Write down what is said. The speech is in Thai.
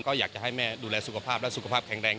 ก็อยากจะให้แม่ดูแลสุขภาพและสุขภาพแข็งแรง